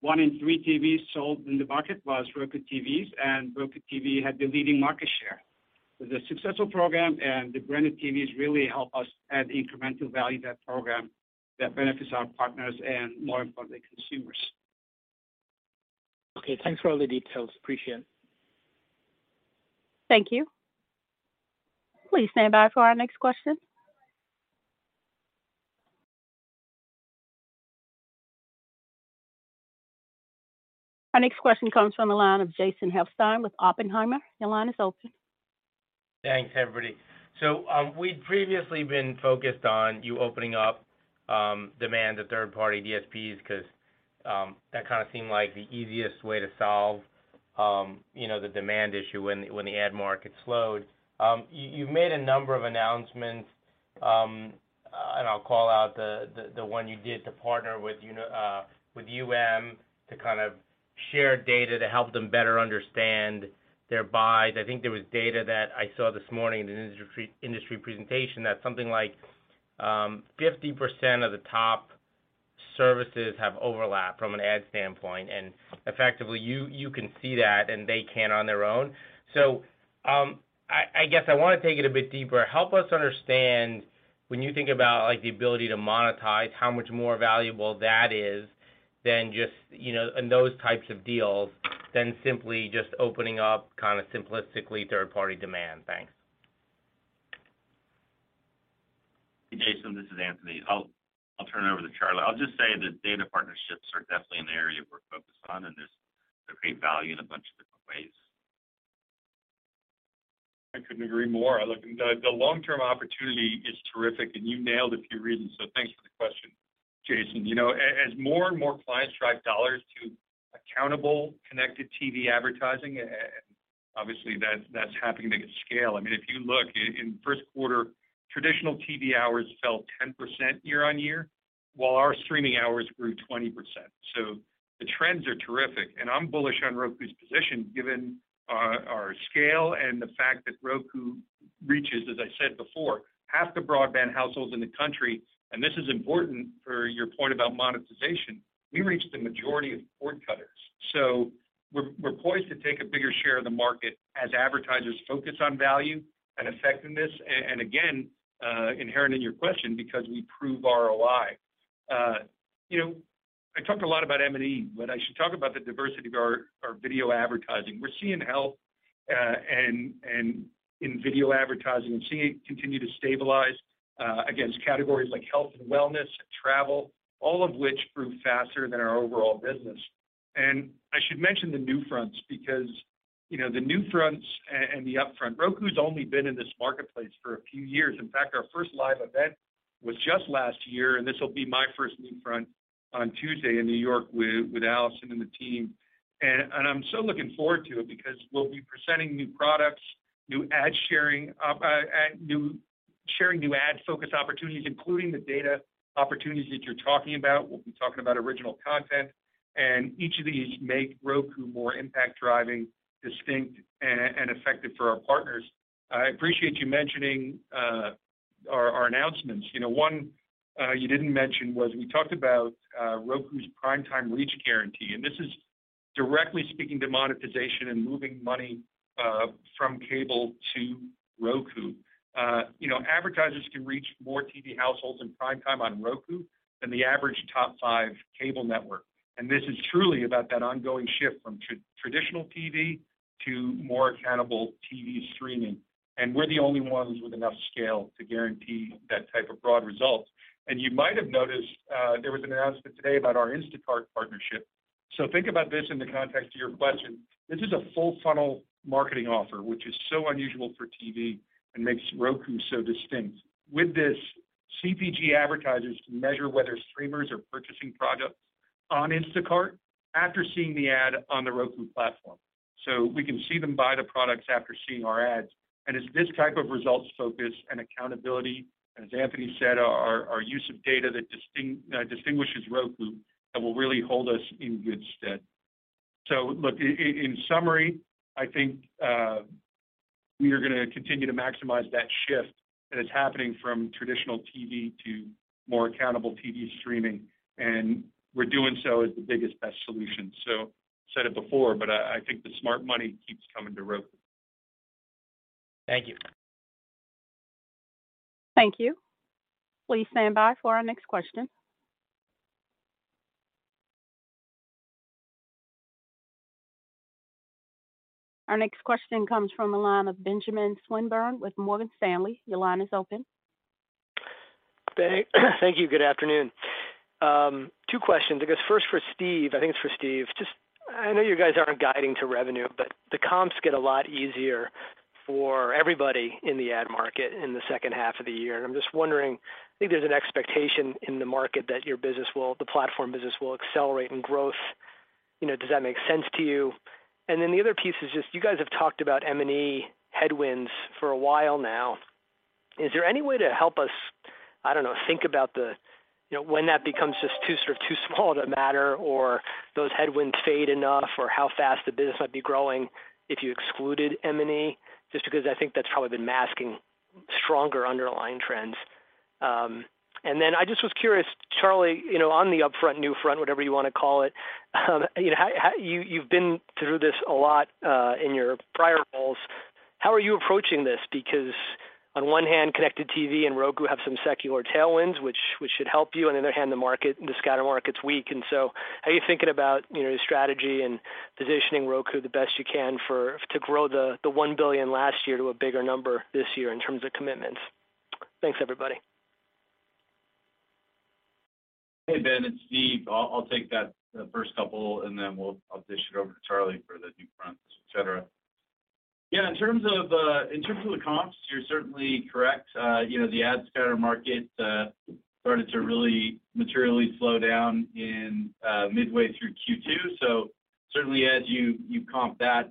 1 in 3 TVs sold in the market was Roku TVs, and Roku TV had the leading market share. It's a successful program, and the branded TVs really help us add incremental value to that program that benefits our partners and, more importantly, consumers. Okay. Thanks for all the details. Appreciate it. Thank you. Please stand by for our next question. Our next question comes from the line of Jason Helfstein with Oppenheimer. Your line is open. Thanks, everybody. We'd previously been focused on you opening up demand to third-party DSPs because that kind of seemed like the easiest way to solve, you know, the demand issue when the ad market slowed. You've made a number of announcements, and I'll call out the one you did to partner with UM to kind of share data to help them better understand their buys. I think there was data that I saw this morning in an industry presentation that something like 50% of the top services have overlap from an ad standpoint, and effectively, you can see that and they can't on their own. I guess I want to take it a bit deeper. Help us understand when you think about like the ability to monetize, how much more valuable that is than just, you know, in those types of deals than simply just opening up kind of simplistically third-party demand? Thanks. Hey, Jason, this is Anthony. I'll turn it over to Charlie. I'll just say the data partnerships are definitely an area we're focused on, and they create value in a bunch of different ways. I couldn't agree more. Look, and the long-term opportunity is terrific, and you nailed a few reasons. Thanks for the question, Jason. You know, as more and more clients drive dollars to accountable connected TV advertising, and obviously that's happening at scale. I mean, if you look in first quarter, traditional TV hours fell 10% year-on-year, while our streaming hours grew 20%. The trends are terrific, and I'm bullish on Roku's position given our scale and the fact that Roku reaches, as I said before, half the broadband households in the country, and this is important for your point about monetization. We reach the majority of cord cutters. We're poised to take a bigger share of the market as advertisers focus on value and effectiveness and again, inherent in your question because we prove ROI. You know, I talked a lot about M&E, but I should talk about the diversity of our video advertising. We're seeing health, and in video advertising, we're seeing it continue to stabilize against categories like health and wellness and travel, all of which grew faster than our overall business. I should mention the NewFronts because, you know, the NewFronts and the Upfront, Roku's only been in this marketplace for a few years. In fact, our first live event was just last year, and this'll be my first NewFront on Tuesday in New York with Allison and the team. I'm so looking forward to it because we'll be presenting new products, new ad sharing new ad-focused opportunities, including the data opportunities that you're talking about. We'll be talking about original content, and each of these make Roku more impact-driving, distinct, and effective for our partners. I appreciate you mentioning. Our announcements. You know, one you didn't mention was we talked about Roku's Primetime Reach Guarantee. This is directly speaking to monetization and moving money from cable to Roku. You know, advertisers can reach more TV households in prime time on Roku than the average top 5 cable network. This is truly about that ongoing shift from traditional TV to more accountable TV streaming. We're the only ones with enough scale to guarantee that type of broad result. You might have noticed there was an announcement today about our Instacart partnership. Think about this in the context of your question. This is a full funnel marketing offer, which is so unusual for TV and makes Roku so distinct. With this, CPG advertisers can measure whether streamers are purchasing products on Instacart after seeing the ad on the Roku platform. We can see them buy the products after seeing our ads. It's this type of results focus and accountability, and as Anthony said, our use of data that distinguishes Roku that will really hold us in good stead. Look, in summary, I think we are gonna continue to maximize that shift, and it's happening from traditional TV to more accountable TV streaming, and we're doing so as the biggest, best solution. Said it before, but I think the smart money keeps coming to Roku. Thank you. Thank you. Please stand by for our next question. Our next question comes from the line of Benjamin Swinburne with Morgan Stanley. Your line is open. Thank you. Good afternoon. Two questions. I guess first for Steve. I think it's for Steve. I know you guys aren't guiding to revenue, but the comps get a lot easier for everybody in the ad market in the second half of the year. I'm just wondering, I think there's an expectation in the market that your business the platform business will accelerate in growth. You know, does that make sense to you? The other piece is just you guys have talked about M&E headwinds for a while now. Is there any way to help us, I don't know, think about the, you know, when that becomes just too sort of too small to matter or those headwinds fade enough or how fast the business might be growing if you excluded M&E? Because I think that's probably been masking stronger underlying trends. I just was curious, Charlie, you know, on the Upfront, NewFront, whatever you want to call it, you know, how you've been through this a lot, in your prior roles. How are you approaching this? Because on one hand, connected TV and Roku have some secular tailwinds, which should help you. On the other hand, the market, the scatter market's weak. How are you thinking about, you know, strategy and positioning Roku the best you can for to grow the $1 billion last year to a bigger number this year in terms of commitments? Thanks, everybody. Hey, Ben, it's Steve. I'll take that first couple, and then I'll dish it over to Charlie for the NewFronts, et cetera. In terms of, in terms of the comps, you're certainly correct. You know, the ad scatter market started to really materially slow down in midway through Q2. Certainly as you comp that,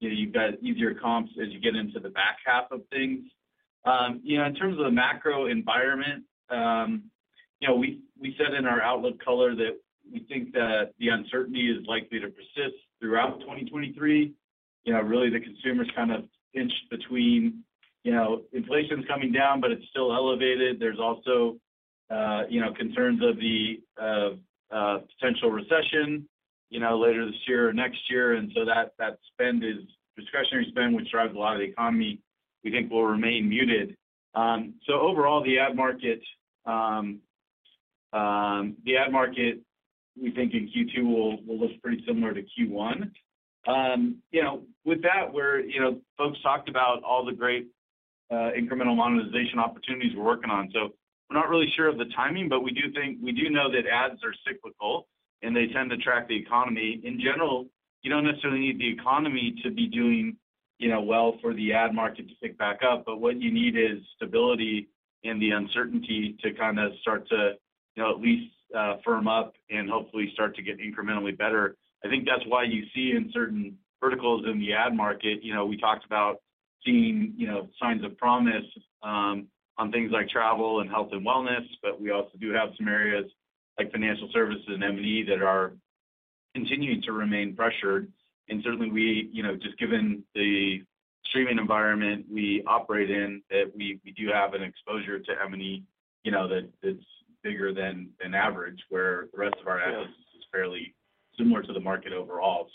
you know, you've got easier comps as you get into the back half of things. In terms of the macro environment, you know, we said in our outlook color that we think that the uncertainty is likely to persist throughout 2023. You know, really the consumer's kind of pinched between, you know, inflation's coming down, but it's still elevated. There's also, you know, concerns of the potential recession, you know, later this year or next year. That spend is discretionary spend, which drives a lot of the economy, we think will remain muted. Overall, the ad market we think in Q2 will look pretty similar to Q1. You know, with that, we're, you know, folks talked about all the great incremental monetization opportunities we're working on. We're not really sure of the timing, but we do know that ads are cyclical, and they tend to track the economy. In general, you don't necessarily need the economy to be doing, you know, well for the ad market to pick back up. What you need is stability in the uncertainty to kinda start to, you know, at least firm up and hopefully start to get incrementally better. I think that's why you see in certain verticals in the ad market, you know, we talked about seeing, you know, signs of promise, on things like travel and health and wellness, but we also do have some areas like financial services and M&E that are continuing to remain pressured. Certainly we, you know, just given the streaming environment we operate in, that we do have an exposure to M&E, you know, that is bigger than average, where the rest of our ads is fairly similar to the market overall.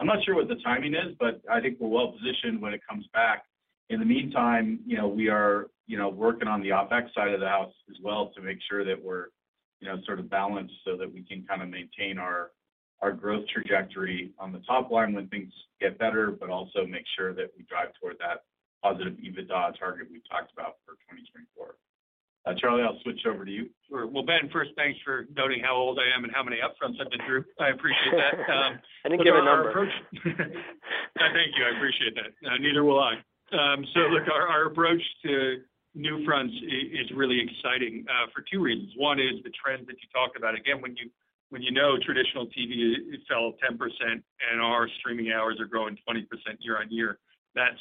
I'm not sure what the timing is, but I think we're well positioned when it comes back. In the meantime, you know, we are, you know, working on the OpEx side of the house as well to make sure that we're, you know, sort of balanced so that we can kinda maintain our growth trajectory on the top line when things get better, but also make sure that we drive toward that positive EBITDA target we've talked about for 2024. Charlie, I'll switch over to you. Sure. Ben, first, thanks for noting how old I am and how many Upfronts I've been through. I appreciate that. I didn't give a number. Thank you. I appreciate that. Neither will I. Our approach to NewFronts is really exciting for 2 reasons. One is the trends that you talked about. When you traditional TV fell 10% and our streaming hours are growing 20% year-on-year, that's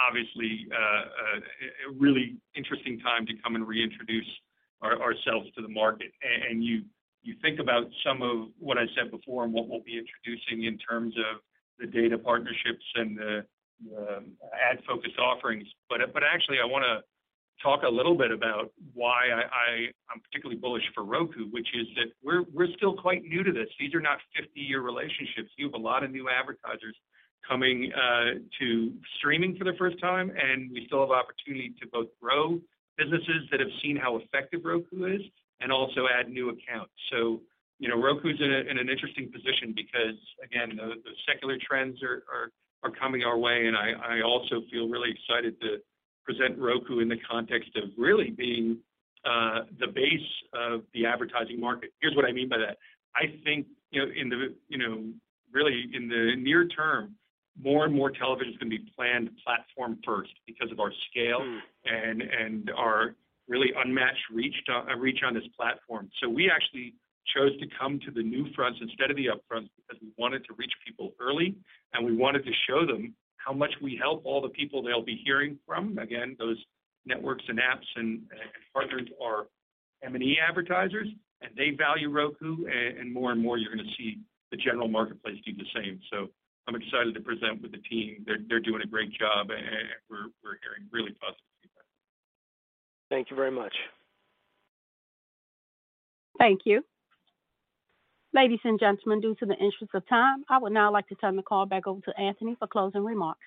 obviously a really interesting time to come and reintroduce ourselves to the market. You think about some of what I said before and what we'll be introducing in terms of the data partnerships and the ad-focused offerings. Actually, I wanna talk a little bit about why I'm particularly bullish for Roku, which is that we're still quite new to this. These are not 50-year relationships. You have a lot of new advertisers coming to streaming for the first time. We still have opportunity to both grow businesses that have seen how effective Roku is and also add new accounts. You know, Roku's in an interesting position because, again, the secular trends are coming our way. I also feel really excited to present Roku in the context of really being the base of the advertising market. Here's what I mean by that. I think, you know, in the, you know, really in the near term, more and more television is gonna be planned platform first because of our scale and our really unmatched reached, reach on this platform. We actually chose to come to the NewFronts instead of the Upfronts because we wanted to reach people early, and we wanted to show them how much we help all the people they'll be hearing from. Again, those networks and apps and partners are M&E advertisers, and they value Roku. And more and more, you're gonna see the general marketplace do the same. I'm excited to present with the team. They're doing a great job, and we're hearing really positive feedback. Thank you very much. Thank you. Ladies and gentlemen, due to the interest of time, I would now like to turn the call back over to Anthony for closing remarks.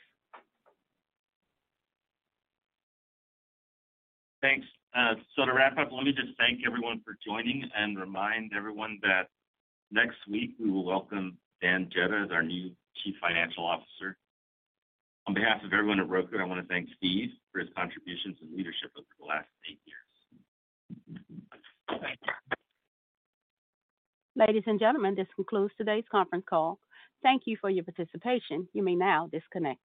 Thanks. To wrap up, let me just thank everyone for joining and remind everyone that next week, we will welcome Dan Jedda as our new Chief Financial Officer. On behalf of everyone at Roku, I wanna thank Steve for his contributions and leadership over the last eight years. Ladies and gentlemen, this concludes today's conference call. Thank you for your participation. You may now disconnect.